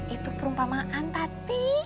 itu perumpamaan tati